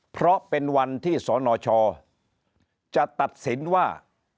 เพราะเป็นวันที่สนชจะตัดสินว่า